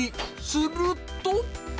すると。